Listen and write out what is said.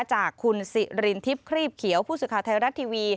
จากคุณสิรินทิพย์ครีบเขียวผู้สื่อข่าวไทยรัฐทีวี